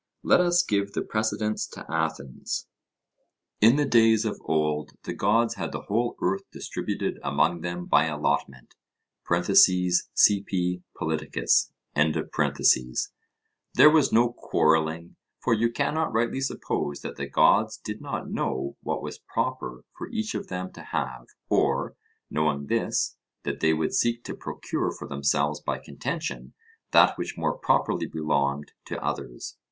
Let us give the precedence to Athens. In the days of old, the gods had the whole earth distributed among them by allotment (Cp. Polit.) There was no quarrelling; for you cannot rightly suppose that the gods did not know what was proper for each of them to have, or, knowing this, that they would seek to procure for themselves by contention that which more properly belonged to others.